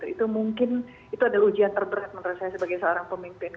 itu mungkin itu adalah ujian terberat menurut saya sebagai seorang pemimpin